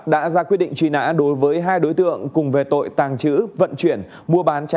và các đồng chí đã làm được công việc